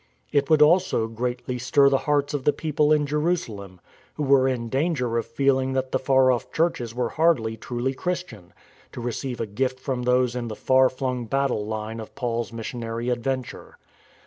It would also greatly stir the hearts of the people in Jerusalem, who were in danger of feeling that the far off churches were hardly truly Christian, to receive a gift from those in " the far flung battle line " of Paul's mis sionary adventure.